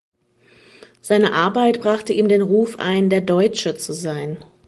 Seine Arbeit brachte ihm den Ruf ein, der deutsche zu sein.